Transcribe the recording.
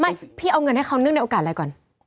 ไม่พี่เอาเงินให้เขานึกในโอกาสอะไรก่อน